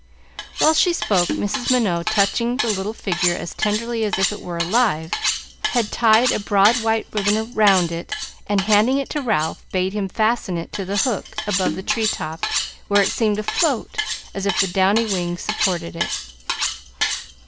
While she spoke, Mrs. Minot, touching the little figure as tenderly as if it were alive, had tied a broad white ribbon round it, and, handing it to Ralph, bade him fasten it to the hook above the tree top, where it seemed to float as if the downy wings supported it.